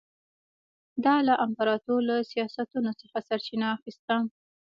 دا له امپراتور له سیاستونو څخه سرچینه اخیسته.